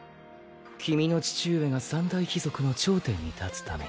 君の父上が三大貴族の頂点に立つために